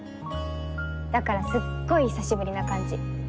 だからすっごい久しぶりな感じ。